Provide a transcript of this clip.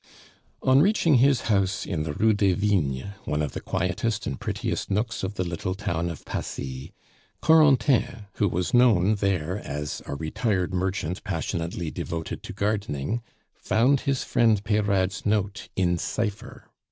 On reaching his house in the Rue des Vignes, one of the quietest and prettiest nooks of the little town of Passy, Corentin, who was known there as a retired merchant passionately devoted to gardening, found his friend Peyrade's note in cipher.